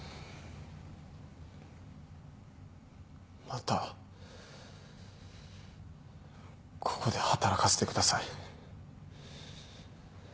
またここで働かせてください。